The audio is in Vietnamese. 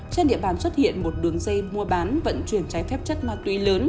trên địa bàn xuất hiện một đường dây mua bán vận chuyển trái phép chất ma túy lớn